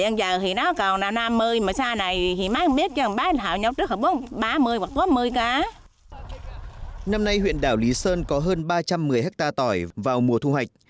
năm nay huyện đảo lý sơn có hơn ba trăm một mươi hectare tỏi vào mùa thu hoạch